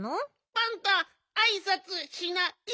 パンタあいさつしない！